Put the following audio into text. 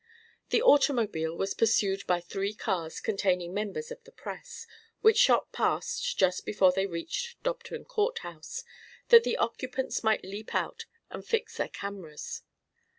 The automobile was pursued by three cars containing members of the press, which shot past just before they reached Dobton Courthouse, that the occupants might leap out and fix their cameras.